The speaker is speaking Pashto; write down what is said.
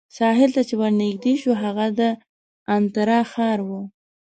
ساحل ته چې ورنژدې شوو، هغه د انترا ښار وو.